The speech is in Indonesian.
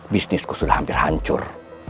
bisnisku sudah hampir hancur